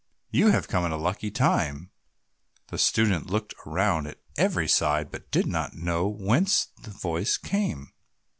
You have come at a lucky time." The student looked round on every side, but did not know whence the voice came.